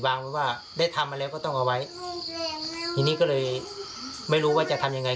ว่าได้ทำมาแล้วก็ต้องเอาไว้ทีนี้ก็เลยไม่รู้ว่าจะทำยังไง